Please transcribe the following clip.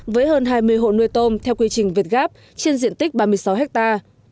với hơn hai mươi hộ nuôi tôm theo quy trình việt gáp trên diện tích ba mươi sáu hectare